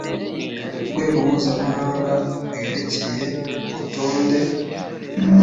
rwego mpuzamahanga bwerekeye urutonde